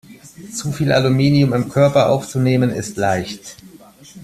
Zu viel Aluminium im Körper aufzunehmen, ist leicht.